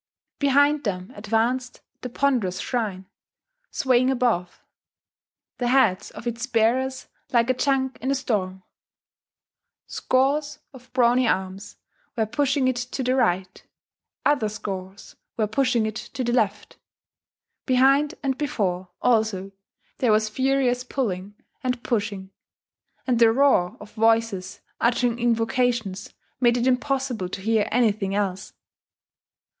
Behind them advanced the ponderous shrine, swaying above: the heads of its bearers like a junk in a storm. Scores of brawny arms were pushing it to the right; other scores were pushing it to the left: behind and before, also, there was furious pulling and pushing; and the roar of voices uttering invocations made it impossible to hear anything else.